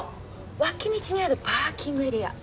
脇道にあるパーキングエリア